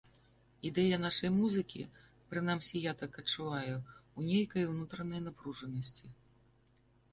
Ідэя нашай музыкі, прынамсі я так адчуваю, у нейкай унутранай напружанасці.